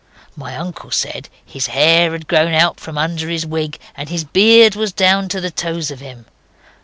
My uncle said his hair had grown out from under his wig, and his beard was down to the toes of him.